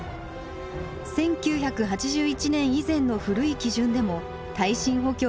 １９８１年以前の古い基準でも耐震補強は有効なのです。